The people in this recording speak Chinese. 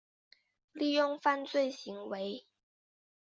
利用犯罪行为